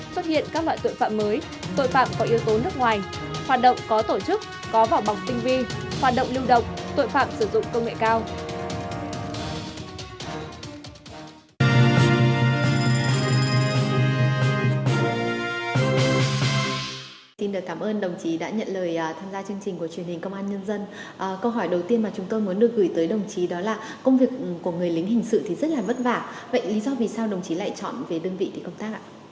xuất hiện các loại tội phạm mới tội phạm có yếu tố nước ngoài hoạt động có tổ chức có vào bọc tinh vi hoạt động lưu động tội phạm sử dụng công nghệ cao